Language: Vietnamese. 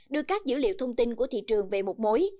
đưa các dữ liệu thông tin của thị trường về một mối